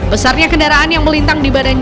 besarnya kendaraan yang melintang di badannya